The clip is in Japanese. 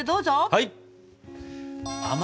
はい！